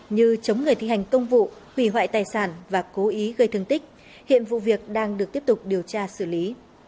như chống người thi hành công vụ hủy hoại tài sản và cố ý gây thương tích hiện vụ việc đang được tiếp tục điều tra xử lý